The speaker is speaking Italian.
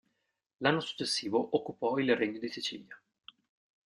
L'anno successivo occupò il regno di Sicilia.